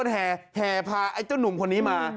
แห่พาไอ้เจ้าหนุ่มคนนี้มา